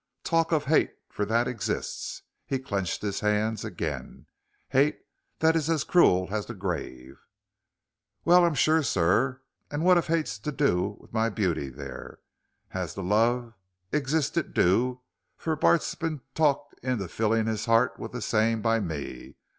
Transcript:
Talk of hate for that exists," he clenched his hands again, "hate that is as cruel as the grave." "Well I'm sure, sir, and what 'ave hates to do with my beauty there? As to love, exist it do, for Bart's bin talked into filling his 'eart with the same, by me.